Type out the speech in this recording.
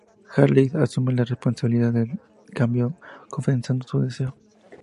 Hayley asume la responsabilidad del cambio confesando su deseo.